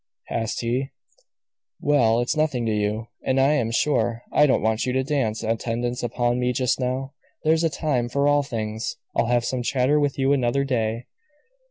asked he. "Well, it's nothing to you. And I am sure I don't want you to dance attendance upon me just now. There's a time for all things. I'll have some chatter with you another day."